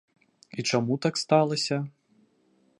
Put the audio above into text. І чаму так сталася?